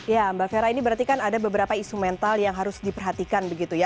ya mbak fera ini berarti kan ada beberapa isu mental yang harus diperhatikan begitu ya